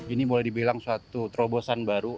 ini boleh dibilang suatu terobosan baru